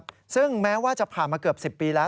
ซึ่งแม้ว่าจะผ่านมาเกือบ๑๐ปีแล้ว